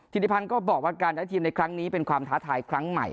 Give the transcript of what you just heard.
ธิริพันธ์ก็บอกว่าการใช้ทีมในครั้งนี้เป็นความท้าทายครั้งใหม่